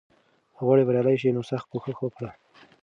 که غواړې بریالی شې، نو سخت کوښښ وکړه.